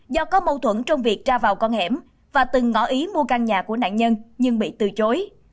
do có mâu thuẫn trong việc ra vào con hẻm và từng ngõ ý mua căn nhà của nạn nhân nhưng bị từ chối